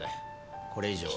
これ以上は。